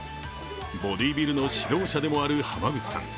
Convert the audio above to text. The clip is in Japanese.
ボディービルの指導者でもある浜口さん。